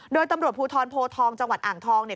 โดยตำรวจภูทรโพทองจังหวัดอ่างทองเนี่ย